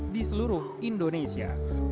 di seluruh indonesia